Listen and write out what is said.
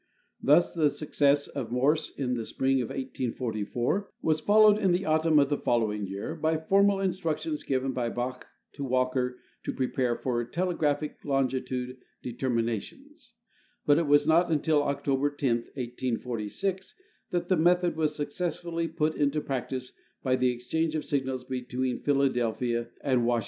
Thus the success of Morse in the spring of 1844 was followed in the autumn of the following year by formal instructions given by Bache to Walker to }»repare for telegraphic longitude determinations : but it was not until Oc tober 10, 1846, that the method was successfully put into prac tice by the exchange of signals between Philadelphia and Wash GEOGRAPHIC WORK OF THE U. S.